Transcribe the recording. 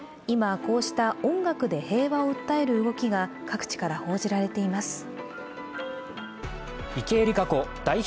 今、こうした音楽で平和を訴える動きが各地から報じられています。